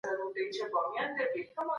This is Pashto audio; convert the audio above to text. هغه په خپل نامې او حوصلې سره مشهور سو.